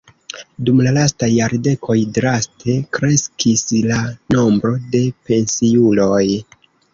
Dum la lastaj jardekoj draste kreskis la nombro de pensiuloj.